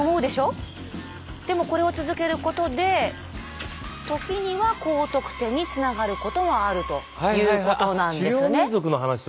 でもこれを続けることで時には高得点につながることもあるということなんですね。